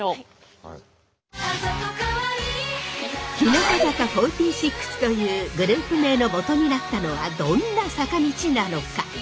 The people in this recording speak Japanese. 「アザトカワイイ」日向坂４６というグループ名のもとになったのはどんな坂道なのか？